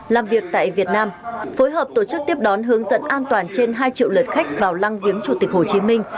làm việc tại việt nam phối hợp tổ chức tiếp đón hướng dẫn an toàn trên hai triệu lượt khách vào lăng viếng chủ tịch hồ chí minh